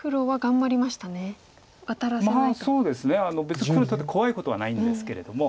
別に黒にとって怖いことはないんですけれども。